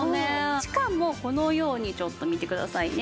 しかもこのようにちょっと見てくださいね。